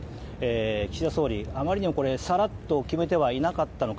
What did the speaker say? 岸田総理、あまりにもさらっと決めてはいなかったのか。